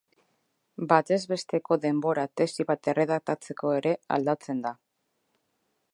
Batez besteko denbora tesi bat erredaktatzeko ere aldatzen da.